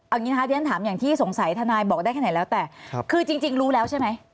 เอาอย่างนี้นะคะที่ฉันถามอย่างที่สงสัยทนายบอกได้แค่ไหนแล้วแต่คือจริงรู้แล้วใช่ไหม